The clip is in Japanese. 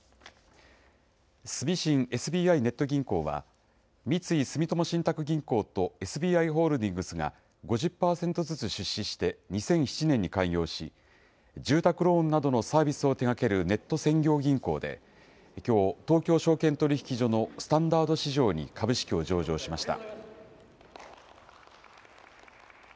住信ＳＢＩネット銀行は、三井住友信託銀行とＳＢＩホールディングスが、５０％ずつ出資して、２００７年に開業し、住宅ローンなどのサービスを手がけるネット専業銀行で、きょう、東京証券取引所のスタンダード市場に株式を上場しました。